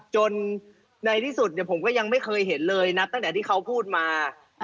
จนในที่สุดผมก็ยังไม่เคยเห็นเลยนับตั้งแต่ที่เขาพูดมา